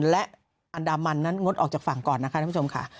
และอันดามันนั้นงดออกจากฝั่งก่อนนะคะท่านผู้ชมค่ะ